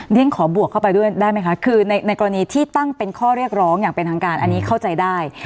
ฉันขอบวกเข้าไปด้วยได้ไหมคะคือในกรณีที่ตั้งเป็นข้อเรียกร้องอย่างเป็นทางการอันนี้เข้าใจได้